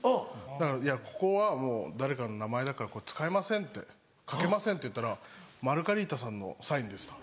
だからいやここはもう誰かの名前だからこれ使えませんって書けませんって言ったらマルガリータさんのサインですと。